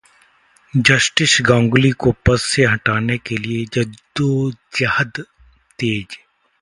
justice Ganguly को पद से हटाने लिए जद्दोजहद तेज